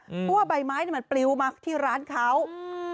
เพราะว่าใบไม้เนี้ยมันปลิวมาที่ร้านเขาอืม